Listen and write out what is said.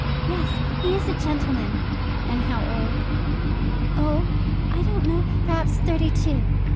"Yes; he is a gentleman." "And how old?" "Oh, I don't know; perhaps thirty two."